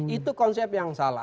itu konsep yang salah